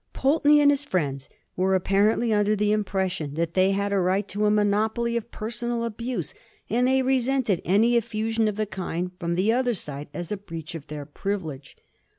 Pulteney and his friends were apparently under the impression that they had a right to a monopoly of personal abuse, and they resented any effusion of the kind from the other side as a breach of their privilege.